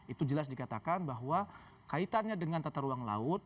itu jelas dikatakan bahwa kaitannya dengan tata ruang laut